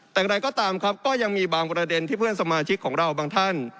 แต่อย่างไรก็ตามครับก็ยังมีบางประเด็นที่เพื่อนสมาชิกของเราบางท่าน